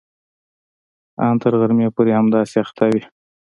ان تر غرمې پورې همداسې اخته وي.